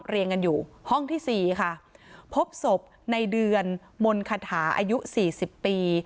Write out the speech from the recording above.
เรียนกันอยู่ห้องที่สี่ค่ะพบศพในเดือนมนต์คาถาอายุสี่สิบปี